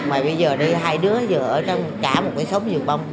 mà bây giờ đây hai đứa ở trong cả một cái sống vườn bông